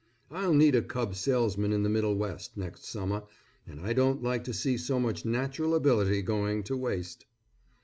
I'll need a cub salesman in the Middle West, next summer, and I don't like to see so much natural ability going to waste.